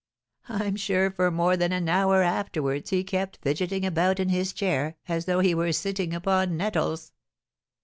I'm sure for more than an hour afterwards he kept fidgeting about in his chair, as though he were sitting upon nettles.